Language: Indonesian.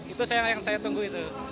itu yang saya tunggu itu